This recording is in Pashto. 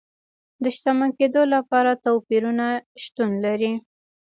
د شتمن کېدو لپاره توپیرونه شتون لري.